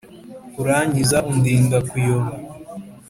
urankiza, undinda kuyoba